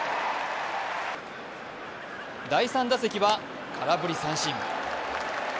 第３打席は空振り三振。